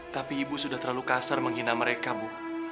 tapi ibu sudah terlalu kasar menghina mereka bu